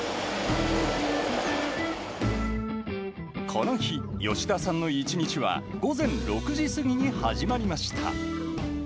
この日、吉田さんの一日は午前６時過ぎに始まりました。